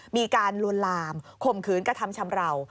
มีการลวนลามข่มขืนกระทำชำราว